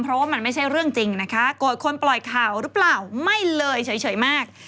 เพราะว่ามันไม่ใช่เรื่องจริงนะคะโกรธคนปล่อยข่าวหรือเปล่าไม่เลยเฉยมาก